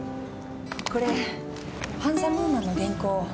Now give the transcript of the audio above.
これ「ハンサムウーマン」の原稿。